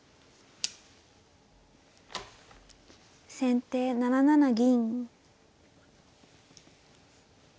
先手７七銀。